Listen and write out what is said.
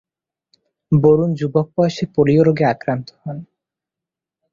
বরুণ যুবক বয়সে পোলিও রোগে আক্রান্ত হন।